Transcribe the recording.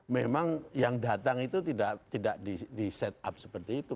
memang yang datang itu tidak di set up seperti itu